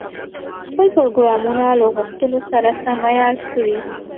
خپل پروګرامونه له غوښتنو سره سم عیار کړي.